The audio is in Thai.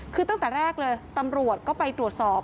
คือตั้งแต่แรกเลยตำรวจก็ไปตรวจสอบ